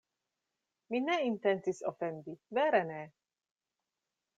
“Mi ne intencis ofendi, vere ne!”